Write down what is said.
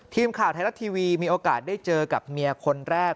ทีมข่าวไทยรัฐทีวีมีโอกาสได้เจอกับเมียคนแรก